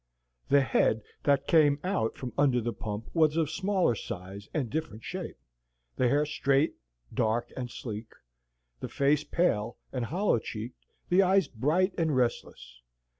The head that came out from under the pump was of smaller size and different shape, the hair straight, dark, and sleek, the face pale and hollow cheeked, the eyes bright and restless.